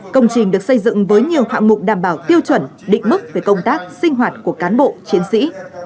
công trình được xây dựng với nhiều hạng mục đảm bảo tiêu chuẩn định mức về công tác sinh hoạt của cán bộ chiến sĩ